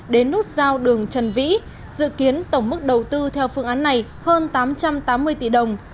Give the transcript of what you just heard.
đến nút giao đường trần vĩ dự kiến tổng mức đầu tư theo phương án này hơn tám trăm tám mươi tỷ đồng